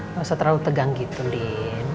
gak usah terlalu tegang gitu lin